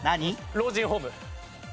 老人ホーム。